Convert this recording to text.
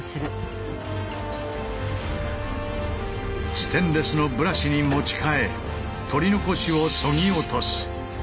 ステンレスのブラシに持ち替え取り残しを削ぎ落とす。